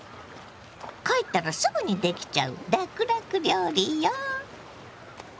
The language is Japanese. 帰ったらすぐにできちゃうラクラク料理よ。